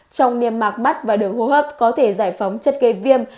trong niềm mạc mắt và đường hô hấp có thể giải phóng chất gây viêm